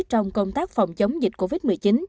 trong công tác phòng chống dịch covid một mươi chín